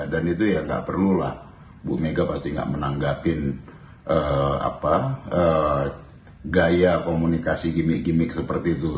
dan itu ya tidak perlulah ibu megawati pasti tidak menanggapkan gaya komunikasi gimmick gimmick seperti itu